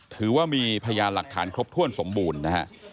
ถือว่ามีพยานหลักฐานครบถ้วนสมบูรณ์นะฮะ